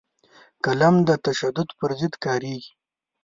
قلم د تشدد پر ضد کارېږي